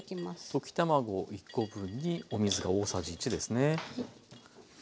溶き卵１コ分にお水が大さじ１ですね。